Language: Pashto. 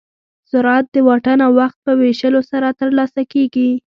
سرعت د واټن او وخت په ویشلو سره ترلاسه کېږي.